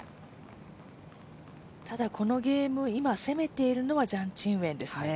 ただ、このゲーム、今攻めているのはジャン・チンウェンですね。